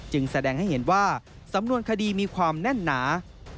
แสดงให้เห็นว่าสำนวนคดีมีความแน่นหนา